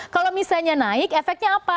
kalau misalnya naik efeknya apa